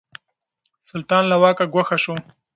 سلطان له واکه ګوښه شو.